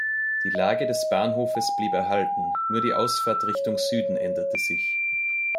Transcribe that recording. Die Lage des Bahnhofes blieb erhalten, nur die Ausfahrt Richtung Süden änderte sich.